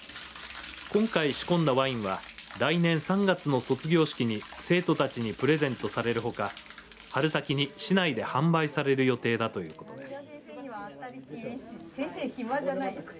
今回仕込んだワインは来年３月の卒業式に生徒たちにプレゼントされるほか春先に市内で販売される予定だということです。